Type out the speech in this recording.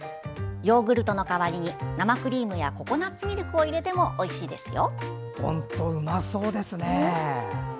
ヨーグルトの代わりに生クリームやココナツミルクを入れてもおいしいですよ。